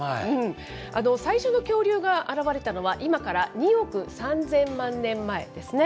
最初の恐竜が現れたのは、今から２億３０００万年前ですね。